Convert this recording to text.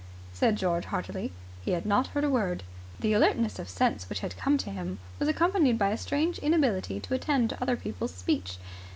said George heartily. He had not heard a word. The alertness of sense which had come to him was accompanied by a strange inability to attend to other people's speech.